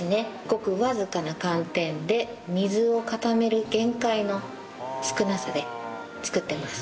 ごくわずかな寒天で水を固める限界の少なさで作っています。